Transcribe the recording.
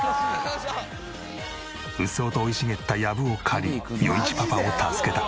うっそうと生い茂ったやぶを刈り余一パパを助けた。